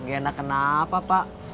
ngga enak kenapa pak